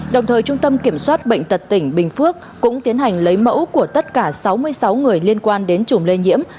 đồng thời trung tâm kiểm soát bệnh tật tỉnh bình phước cũng tiến hành lấy mẫu của tất cả sáu mươi sáu người liên quan đến chủng lây nhiễm